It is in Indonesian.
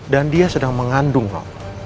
dan dia sedang mengandung no